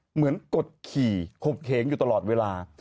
เหมือนกดขี่คบเขงอยู่ตลอดเวลา